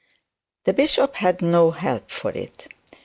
The bishop had no help for it.